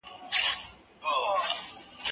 زه مېوې نه وچوم